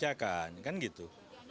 dibacakan kan gitu